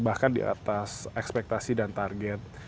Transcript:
bahkan di atas ekspektasi dan target